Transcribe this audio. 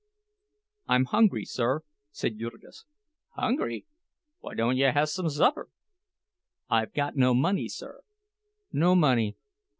"I'm hungry, sir," said Jurgis. "Hungry! Why don't you hassome supper?" "I've got no money, sir." "No money!